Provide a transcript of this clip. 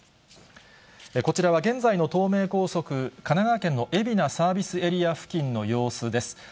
こちらは現在の東名高速神奈川県の海老名サービスエリア付近の様子です。